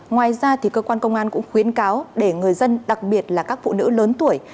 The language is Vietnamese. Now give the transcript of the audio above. ngoài ra cơ quan công an cũng khuyến cáo để người dân đặc biệt là các phụ nữ lớn tuổi